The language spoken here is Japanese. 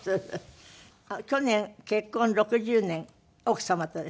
去年結婚６０年奥様とですよ。